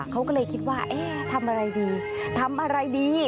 เขาก็เลยคิดว่าเอ๊ะทำอะไรดีทำอะไรดี